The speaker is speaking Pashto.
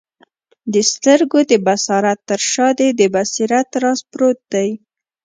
د سترګو د بصارت تر شاه دي د بصیرت راز پروت دی